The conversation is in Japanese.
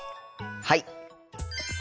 はい！